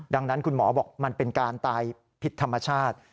ดังนั้นคุณหมอบอกมันเป็นการตายผิดธรรมชาติ